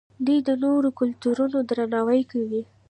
دوی د نورو کلتورونو درناوی کوي.